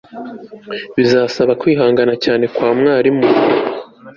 Bizasaba kwihangana cyane kwa mwarimu